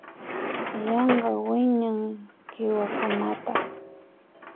Yanka wiñay kiwakunata